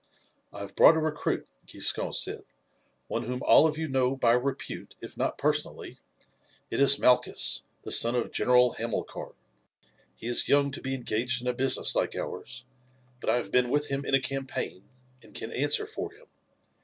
"I have brought a recruit," Giscon said, "one whom all of you know by repute if not personally; it is Malchus, the son of General Hamilcar. He is young to be engaged in a business like ours, but I have been with him in a campaign and can answer for him.